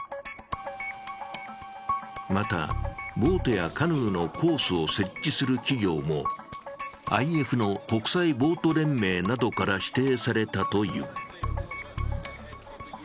また、ボートやカヌーのコースを設置する企業もＩＦの国際ボート連盟などから指定されたという。